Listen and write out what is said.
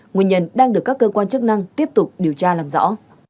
nguyên nhân đang được các cơ quan chức năng tiếp tục điều tra làm rõ